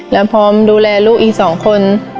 แล้วพร้อมดูแลลูกอีก๒คน